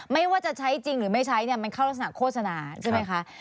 ไม่ว่าจะใช้จริงหรือไม่ใช้เนี่ยมันเข้ารักษณโฆษณาใช่ไหมคะ